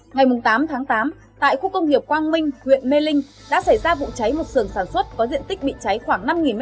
ngày tám tháng tám tại khu công nghiệp quang minh huyện mê linh đã xảy ra vụ cháy một sườn sản xuất có diện tích bị cháy khoảng năm m hai